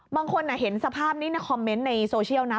บางคนเห็นสภาพนี้ในคอมเมนต์ในโซเชียลนะ